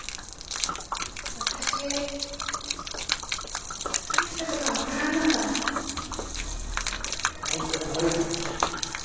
私何するか分からないほんとに悪いと思ってる。